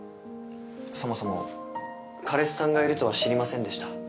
そもそも彼氏さんがいるとは知りませんでした。